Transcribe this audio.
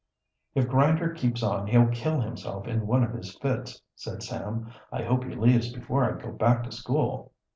"If Grinder keeps on he'll kill himself in one of his fits," said Sam. "I hope he leaves before I go back to school."